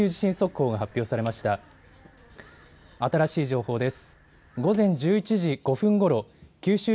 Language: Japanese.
新しい情報です。